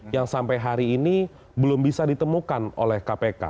yang sampai hari ini belum bisa ditemukan oleh kpk